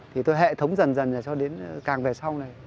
thì tôi hệ thống dần dần cho đến càng về sau này